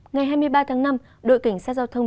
ngày hai mươi ba tháng năm đội cảnh sát giao thông